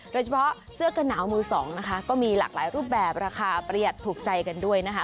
โดยเฉพาะเสื้อกระหนาวมือสองนะคะก็มีหลากหลายรูปแบบราคาประหยัดถูกใจกันด้วยนะคะ